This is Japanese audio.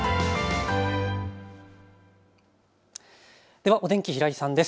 ではお天気、平井さんです。